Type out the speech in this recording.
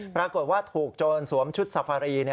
ปรากฏว่าถูกโจรสวมชุดซาฟารี